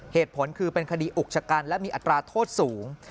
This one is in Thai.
เหตุผลคือเป็นคดีอุกชะกันและมีอัตราโทษสูง